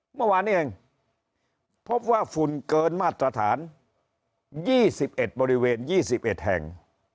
เมื่อวานนี้เองพบว่าฝุ่นเกินมาตรฐาน๒๑บริเวณ๒๑แห่ง